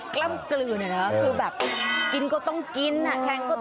คุณดู